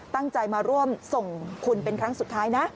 ตั้งใจมาร่วมส่งคุณเป็นครั้งสุดท้ายนะ